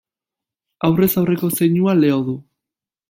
Aurrez aurreko zeinua Leo du.